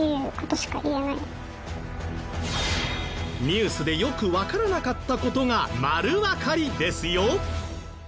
ニュースでよくわからなかった事が丸わかりですよ！